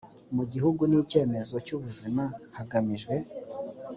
mu gihugu n icyemezo cy ubuzima hagamijwe